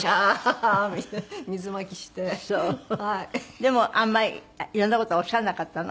でもあんまり色んな事はおっしゃらなかったの？